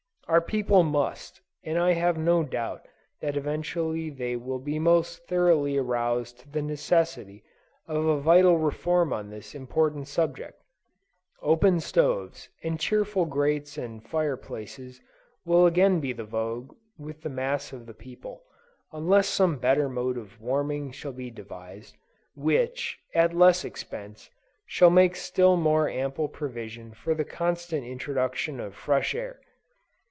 Our people must, and I have no doubt that eventually they will be most thoroughly aroused to the necessity of a vital reform on this important subject. Open stoves, and cheerful grates and fire places will again be in vogue with the mass of the people, unless some better mode of warming shall be devised, which, at less expense, shall make still more ample provision for the constant introduction of fresh air.